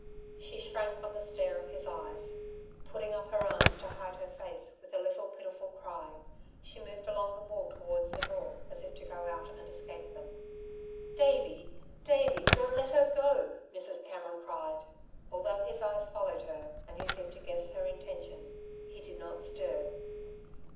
She shrank from the stare of his eyes, putting up her arms to hide her face, with a little pitiful cry. She moved along the wall towards the door as if to go out and escape them. "Davey! Davey! Don't let her go," Mrs. Cameron cried. Although his eyes followed her, and he seemed to guess her intention, he did not stir.